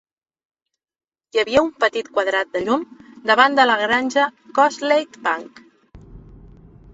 Hi havia un petit quadrat de llum davant de la granja Crossleigh Bank.